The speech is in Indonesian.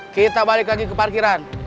kita balik lagi ke parkiran